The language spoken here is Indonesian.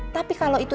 tapi kalau itu